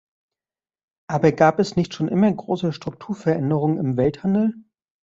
Aber gab es nicht schon immer große Strukturveränderungen im Welthandel?